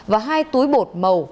và hai túi bột màu